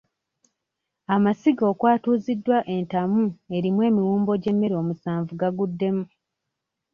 Amasiga okwatuziddwa entamu erimu emiwumbo gy'emmere omusanvu gaguddemu.